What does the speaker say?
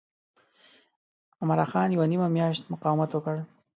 عمرا خان یوه نیمه میاشت مقاومت وکړ.